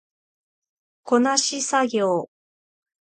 こなし作業